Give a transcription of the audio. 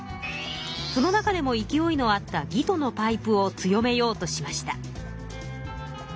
その中でも勢いのあった魏とのパイプを強めようとしました。